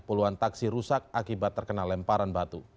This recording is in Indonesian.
puluhan taksi rusak akibat terkena lemparan batu